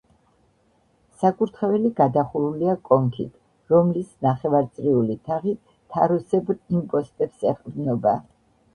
საკურთხეველი გადახურულია კონქით, რომლის ნახევარწრიული თაღი თაროსებრ იმპოსტებს ეყრდნობა.